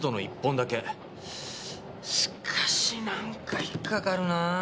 しかしなんか引っかかるなぁ。